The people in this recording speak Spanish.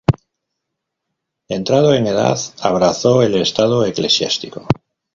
Entrado en edad abrazo el estado eclesiástico.